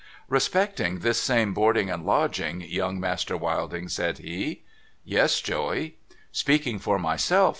' Respecting this same boarding and lodging, Young Master Wilding,' said he. ' Yes, Joey ?'* Speaking for myself.